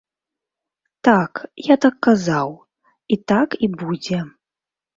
Так, я так казаў, і так і будзе.